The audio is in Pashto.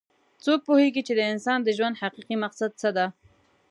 څوک پوهیږي چې د انسان د ژوند حقیقي مقصد څه ده